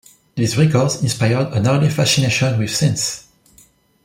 These records inspired an early fascination with synths.